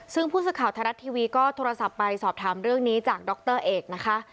ซึ่งผู้สื่อข่าวไทยรัฐทีวีก็โทรศัพท์ไปสอบถามเรื่องนี้จากดรเอกนะคะ